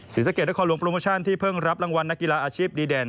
ศรีสะเกดนครหลวงโปรโมชั่นที่เพิ่งรับรางวัลนักกีฬาอาชีพดีเด่น